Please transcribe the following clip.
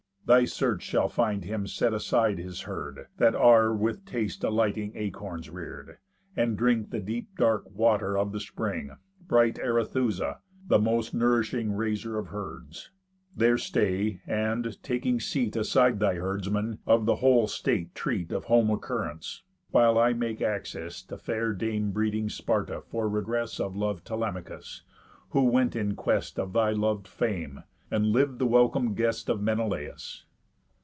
Thy search shall find him set aside his herd, That are with taste delighting acorns rear'd, And drink the dark deep water of the spring, Bright Arethusa, the most nourishing Raiser of herds. There stay, and, taking seat Aside thy herdsman, of the whole state treat Of home occurrents, while I make access To fair dame breeding Sparta for regress Of lov'd Telemachus, who went in quest Of thy lov'd fame, and liv'd the welcome guest Of Menelaus."